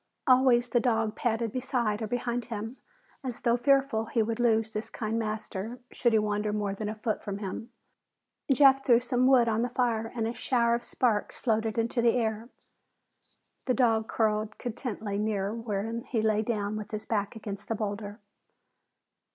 Always the dog padded beside or behind him, as though fearful he would lose this kind master should he wander more than a foot from him. Jeff threw some wood on the fire and a shower of sparks floated into the air. The dog curled contentedly near when he lay down with his back against the boulder.